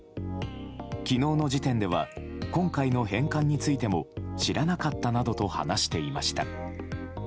昨日の時点では今回の返還についても知らなかったなどと話していました。